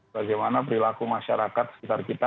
bagaimana perilaku masyarakat sekitar kita